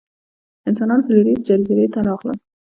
انسانان فلورېس جزیرې ته راغلل.